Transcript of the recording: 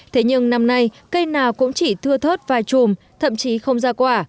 thế nhưng năm nay cây nào cũng chỉ thưa thớt vài trùm thậm chí không ra quả